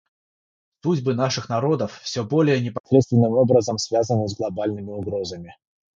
Судьбы наших народов все более непосредственным образом связаны с глобальными угрозами.